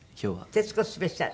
徹子スペシャル？